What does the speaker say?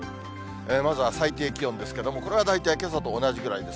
まずは最低気温ですけれども、これは大体、けさと同じぐらいです。